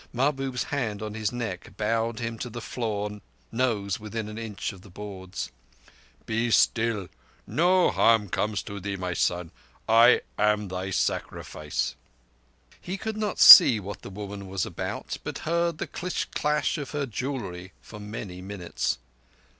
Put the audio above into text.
Mahbub's hand on his neck bowed him to the floor, nose within an inch of the boards. "Be still. No harm comes to thee, my son. I am thy sacrifice!" He could not see what the woman was about, but heard the dish clash of her jewellery for many minutes.